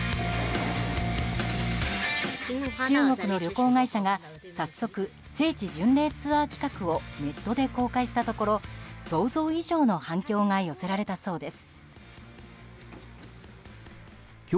中国の旅行会社が早速、聖地巡礼ツアー企画をネットで公開したところ想像以上の反響が寄せられたそうです。